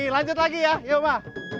lanjut lagi ya yuk ma